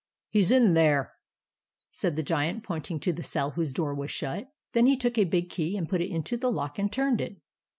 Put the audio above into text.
"HE'S IN THERE," said the Giant, pointing to the cell whose door was shut. Then he took a big key and put it into the lock and turned it.